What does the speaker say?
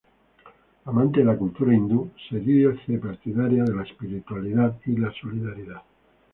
Amante de la cultura hindú, se dice partidaria de la espiritualidad y la solidaridad.